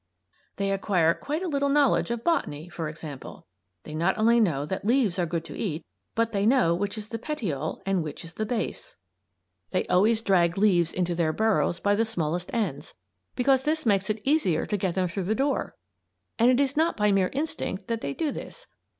They acquire quite a little knowledge of Botany, for example. They not only know that leaves are good to eat, but they know which is the "petiole" and which is the "base." They always drag leaves into their burrows by the smallest ends, because this makes it easier to get them through the door. And it is not by mere instinct that they do this.